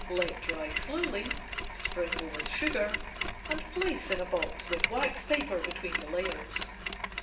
Let dry slowly, sprinkle with sugar and place in box with wax paper between the layers.